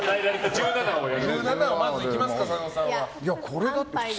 １７、まずいきますか。